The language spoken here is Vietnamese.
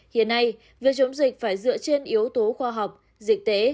hiện nay việc chống dịch phải dựa trên yếu tố khoa học dịch tế